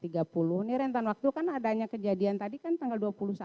ini rentan waktu kan adanya kejadian tadi kan tanggal dua puluh satu